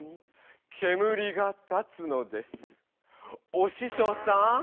おししょうさん